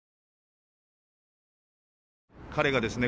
彼がですね